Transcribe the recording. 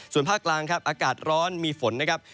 ส่วนภาคกลางครับอากาศร้อนมีฝนนะครับ